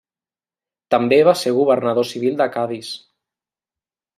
També va ser governador civil de Cadis.